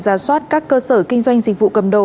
giả soát các cơ sở kinh doanh dịch vụ cầm đồ